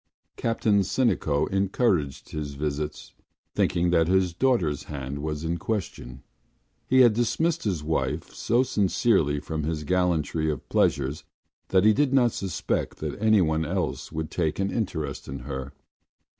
Captain Sinico encouraged his visits, thinking that his daughter’s hand was in question. He had dismissed his wife so sincerely from his gallery of pleasures that he did not suspect that anyone else would take an interest in her.